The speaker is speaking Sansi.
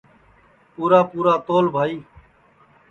پُورا پُورا تول بھائی